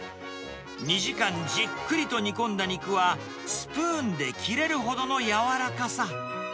２時間じっくりと煮込んだ肉は、スプーンで切れるほどのやわらかさ。